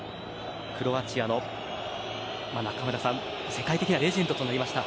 クロアチアの、いや世界的なレジェンドとなりました